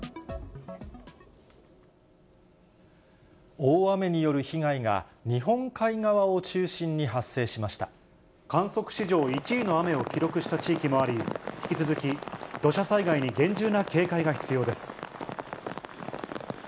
大雨による被害が日本海側を観測史上１位の雨を記録した地域もあり、引き続き土砂災害に厳重な警戒が必要です。